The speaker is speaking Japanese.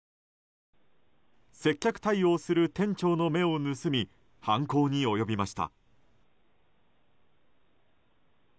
接客対応する店長の目を盗み犯行に及びました。